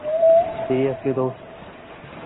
Seriously, দোস্ত?